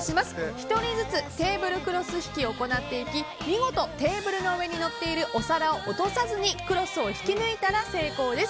１人ずつ、テーブルクロス引きを行っていき見事、テーブルの上に乗っているお皿を落とさずにクロスを引き抜いたら成功です。